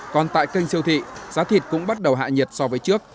còn tại kênh siêu thị giá thịt cũng bắt đầu hạ nhiệt so với trước